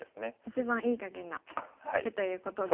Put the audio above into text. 一番“いい”かげんな手ということで。